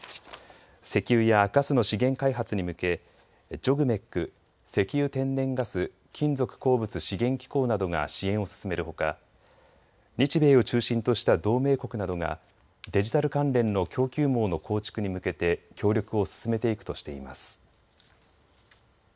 石油やガスの資源開発に向けＪＯＧＭＥＣ・石油天然ガス・金属鉱物資源機構などが支援を進めるほか日米を中心とした同盟国などがデジタル関連の供給網の構築に向けて協力を進めていくとしています。